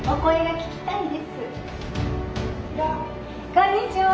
こんにちは。